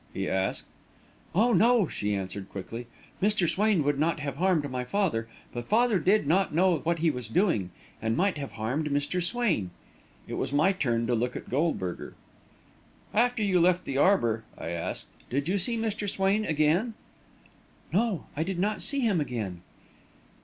he asked. "Oh, no," she answered, quickly; "Mr. Swain would not have harmed my father, but father did not know what he was doing and might have harmed Mr. Swain." It was my turn to look at Goldberger. "After you left the arbour," I asked, "did you see Mr. Swain again?" "No, I did not see him again."